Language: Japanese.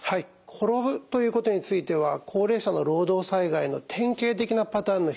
「転ぶ」ということについては高齢者の労働災害の典型的なパターンの一つです。